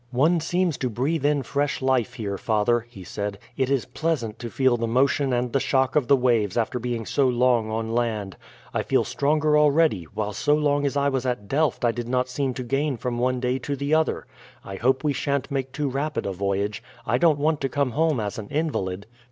"One seems to breathe in fresh life here, father," he said. "It is pleasant to feel the motion and the shock of the waves after being so long on land. I feel stronger already, while so long as I was at Delft I did not seem to gain from one day to the other. I hope we sha'n't make too rapid a voyage; I don't want to come home as an invalid."